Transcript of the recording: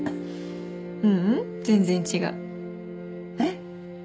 ううん全然違うえっ？